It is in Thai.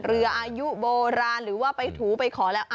อายุโบราณหรือว่าไปถูไปขอแล้ว